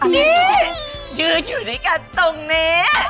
นี่ยืนอยู่ด้วยกันตรงนี้